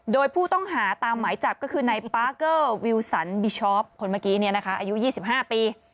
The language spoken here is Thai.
โดยผู้ต้องหาตามหมายจับก็คือนายปาร์เกอร์วิวสันบิชอปคนเมื่อกี้อายุ๒๕ปี